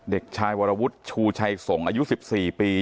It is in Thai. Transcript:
เด็กชายวรวุฒิชูชัยส่งอายุ๑๔ปี